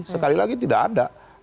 sekali lagi tidak ada